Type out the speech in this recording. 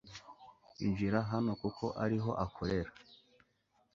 Injira hano kuko ariho akorera